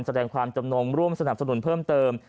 แสดงความจำนงร่วมสนับสนุนเพิ่มเติม